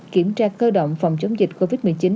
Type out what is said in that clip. kiểm tra cơ động phòng chống dịch covid một mươi chín